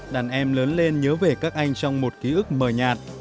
đàn em lớn lên nhớ về các anh trong một ký ức mờ nhạt